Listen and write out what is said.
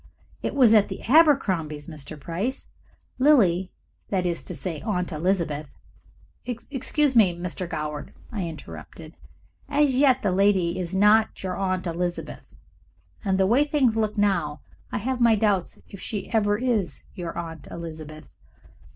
It was at the Abercrombies', Mr. Price. Lily that is to say, Aunt Elizabeth " "Excuse me, Mr. Goward," I interrupted. "As yet the lady is not your Aunt Elizabeth, and the way things look now I have my doubts if she ever is your Aunt Elizabeth."